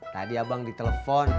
tadi abang di telepon